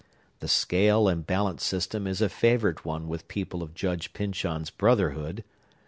This scale and balance system is a favorite one with people of Judge Pyncheon's brotherhood.